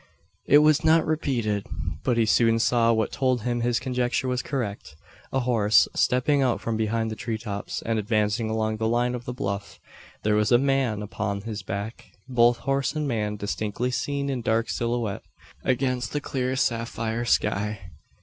It was not repeated; but he soon saw what told him his conjecture was correct a horse, stepping out from behind the treetops, and advancing along the line of the bluff. There was a man upon his back both horse and man distinctly seen in dark silhouette against the clear sapphire sky.